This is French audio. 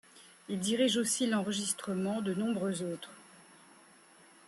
Il dirige aussi l'enregistrement de nombreuses autres.